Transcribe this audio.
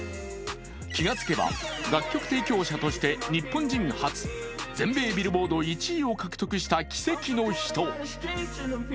気が付けば楽曲提供者として日本人初全米ビルボード１位を獲得した奇跡の人。